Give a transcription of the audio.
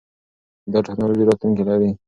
دا ټکنالوژي راتلونکی لري.